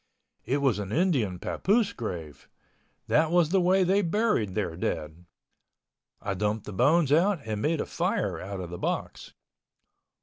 It was an Indian papoose grave—that was the way they buried their dead. I dumped the bones out and made a fire out of the box.